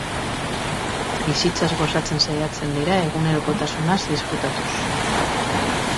Bizitzaz gozatzen saiatzen dira egunerokotasunaz disfrutatuz.